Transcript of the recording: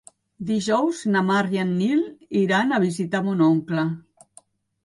Dijous na Mar i en Nil iran a visitar mon oncle.